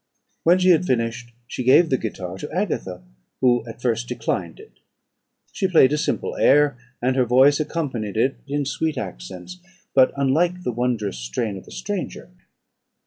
"When she had finished, she gave the guitar to Agatha, who at first declined it. She played a simple air, and her voice accompanied it in sweet accents, but unlike the wondrous strain of the stranger.